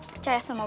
percaya sama gue